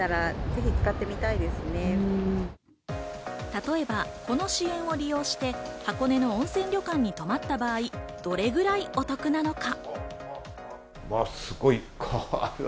例えば、この支援を利用して箱根の温泉旅館に泊まった場合、どれくらいお得なのか？